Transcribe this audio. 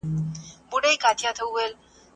څېړونکي وايي باید په اعتدال غوښه وخوړل شي.